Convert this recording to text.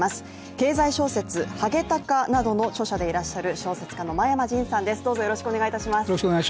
経済小説「ハゲタカ」などの著者でいらっしゃる小説家の真山仁さんです、よろしくお願いします。